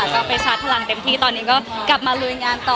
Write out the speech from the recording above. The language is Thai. ก็ไปชาร์จพลังเต็มที่ตอนนี้ก็กลับมาลุยงานต่อ